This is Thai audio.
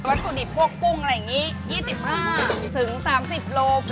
วัตถุดิบพวกกุ้งอะไรอย่างงี้๒๕ถึง๓๐โลค่ะ